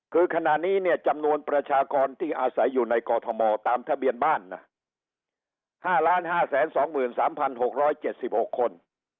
คือขณะนี้เนี่ยจำนวนประชากรที่อาศัยอยู่ในกอทมตามทะเบียนบ้านนะ๕๕๒๓๖๗๖คน